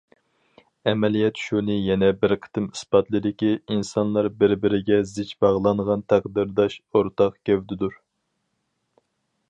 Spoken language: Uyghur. ئەمەلىيەت شۇنى يەنە بىر قېتىم ئىسپاتلىدىكى، ئىنسانلار بىر- بىرىگە زىچ باغلانغان تەقدىرداش ئورتاق گەۋدىدۇر.